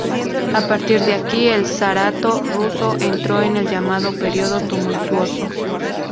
A partir de aquí el Zarato ruso entró en el llamado Período Tumultuoso.